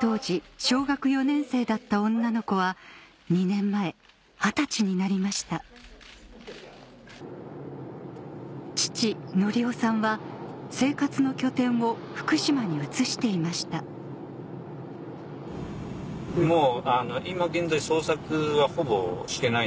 当時小学４年生だった女の子は２年前二十歳になりました父・紀夫さんは生活の拠点を福島に移していましたもう。